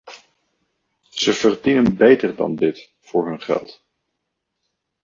Ze verdienen beter dan dit voor hun geld.